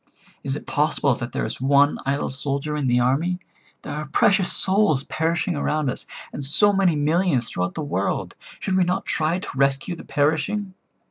Is it possible that there is one idle soldier in the army? There are precious souls perishing around us, and so many millions throughout the world. Should we not try to rescue the perishing?